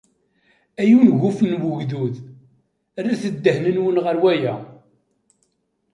Ay ungufen n ugdud, rret ddehn-nwen ɣer waya.